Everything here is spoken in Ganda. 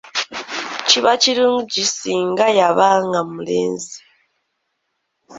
Kiba kirungi singa yabanga omulenzi.